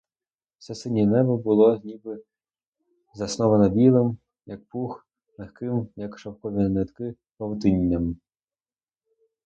Все синє небо було ніби засноване білим, як пух, легким, як шовкові нитки, павутинням.